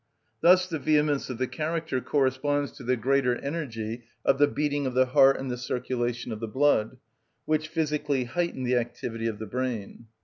Thus the vehemence of the character corresponds to the greater energy of the beating of the heart and the circulation of the blood, which physically heighten the activity of the brain.